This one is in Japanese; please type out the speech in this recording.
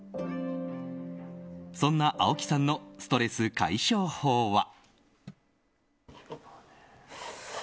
そんな青木さんのストレス解消法は。